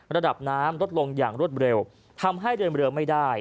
ระดับน้ำลดลงอย่างรวดเร็วทำให้เดินเรือไม่ได้